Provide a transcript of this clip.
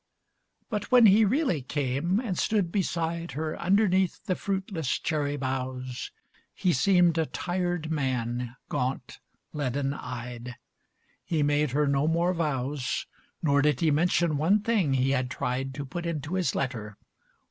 But when he really came, and stood beside Her underneath the fruitless cherry boughs, He seemed a tired man, gaunt, leaden eyed. He made her no more vows, Nor did he mention one thing he had tried To put into his letter.